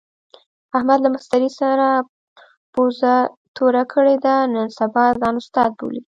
احمد له مستري سره پوزه توره کړې ده، نن سبا ځان استاد بولي.